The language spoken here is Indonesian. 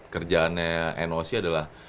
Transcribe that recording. kerjaannya noc adalah